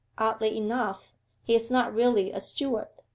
Oddly enough, he is not really a steward.